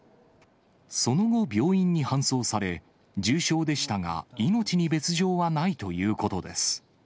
その後、病院に搬送され、重傷でしたが、命に別状はないということです。